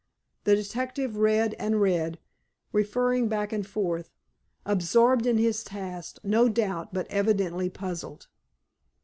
The detective read, and read, referring back and forth, absorbed in his task, no doubt, but evidently puzzled.